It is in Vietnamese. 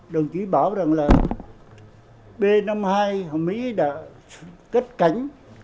đồng chí bảo rằng là b năm mươi hai mỹ đã kết cảnh